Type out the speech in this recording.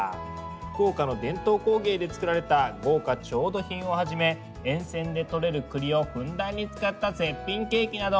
福岡の伝統工芸で作られた豪華調度品をはじめ沿線でとれる栗をふんだんに使った絶品ケーキなど